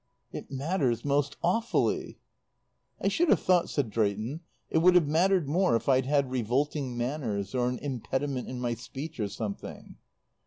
"It matters most awfully." "I should have thought," said Drayton, "it would have mattered more if I'd had revolting manners or an impediment in my speech or something."